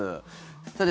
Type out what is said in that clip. さて、